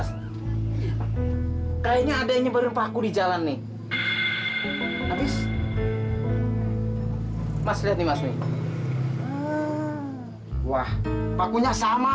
sampai jumpa di video selanjutnya